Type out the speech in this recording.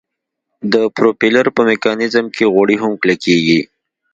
د پروپیلر په میکانیزم کې غوړي هم کلکیږي